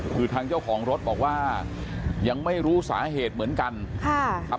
คือทางเจ้าของรถบอกว่ายังไม่รู้สาเหตุเหมือนกันค่ะครับ